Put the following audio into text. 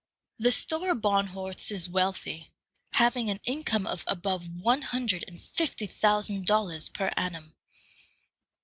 The Stora Barnhorst is wealthy, having an income of above one hundred and fifty thousand dollars per annum.